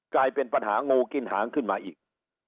กลายเป็นปัญหางูกินหางขึ้นมาอีก